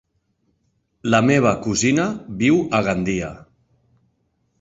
La meva cosina viu a Gandia.